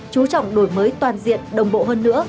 chú trọng đổi mới toàn diện đồng bộ hơn nữa